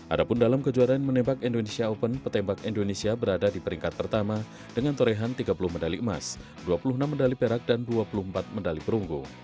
adapun dalam kejuaraan menembak indonesia open petembak indonesia berada di peringkat pertama dengan torehan tiga puluh medali emas dua puluh enam medali perak dan dua puluh empat medali perunggu